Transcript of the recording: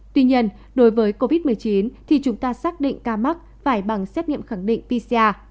tuy nhiên đối với covid một mươi chín thì chúng ta xác định ca mắc phải bằng xét nghiệm khẳng định pcr